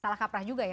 salah kaprah juga ya